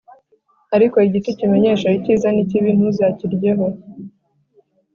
Ariko igiti kimenyesha icyiza n ikibi ntuzakiryeho